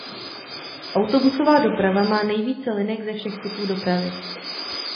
Autobusová doprava má nejvíce linek ze všech typů dopravy.